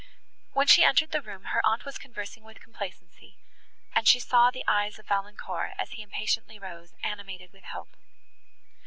When she entered the room, her aunt was conversing with complacency, and she saw the eyes of Valancourt, as he impatiently rose, animated with hope.